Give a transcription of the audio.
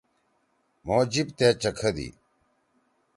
مھو جیِب تے چَکھدی۔